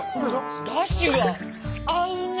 だしが合うね。